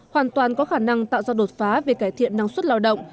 hoàn toàn có khả năng tạo ra đột phá về cải thiện năng suất lao động